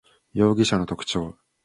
容疑者の特徴